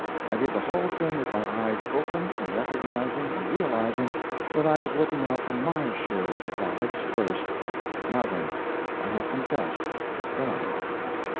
I did the whole thing with my eyes open and recognizing and realizing that I was looking out for _my _share of the profits first. Now then, I have confessed. Go on.